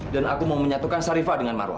dan aku mau menyatukan sarifa dengan marwa